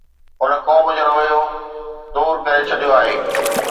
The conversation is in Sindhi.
هن قوم جو رويو دور ڪري ڇڏيو آهي.